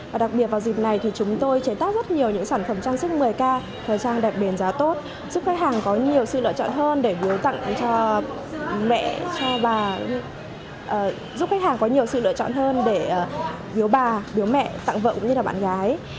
và đặc biệt vào dịp này thì chúng tôi chế tác rất nhiều những sản phẩm trang sức một mươi k thời trang đẹp giá tốt giúp khách hàng có nhiều sự lựa chọn hơn để hứa tặng cho mẹ cho bà giúp khách hàng có nhiều sự lựa chọn hơn để biếu bà bố mẹ tặng vợ cũng như là bạn gái